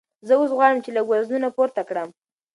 زه اوس غواړم چې لږ وزنونه پورته کړم.